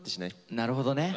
なるほどね。